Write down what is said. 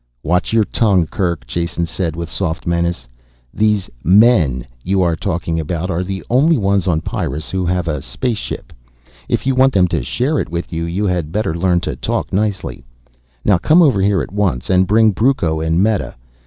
"Watch your tongue, Kerk," Jason said with soft menace. "These men you are talking about are the only ones on Pyrrus who have a spaceship. If you want them to share it with you, you had better learn to talk nicely. Now come over here at once and bring Brucco and Meta."